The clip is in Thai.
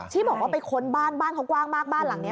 ที่บอกว่าไปค้นบ้านบ้านเขากว้างมากบ้านหลังนี้